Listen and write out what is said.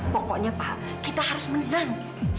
pokoknya pak kita harus menang